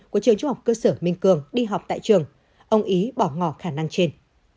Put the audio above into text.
của trường trung học cơ sở minh cường đi học tại trường ông ý bỏ ngỏ khả năng trên